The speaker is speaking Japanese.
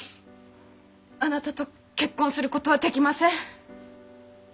あなたと結婚することはできません。